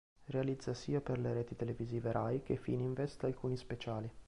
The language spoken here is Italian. Realizza sia per le reti televisive Rai che Fininvest alcuni speciali.